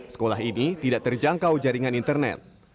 sekolah ini tidak terjangkau jaringan internet